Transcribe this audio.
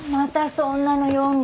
そんなの読んで。